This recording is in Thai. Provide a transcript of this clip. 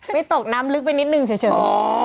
ตกน้ำลึกไปนิดนึงเฉย